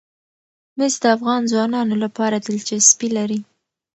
مس د افغان ځوانانو لپاره دلچسپي لري.